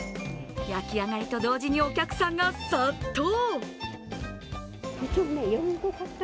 焼き上がりと同時にお客さんが殺到。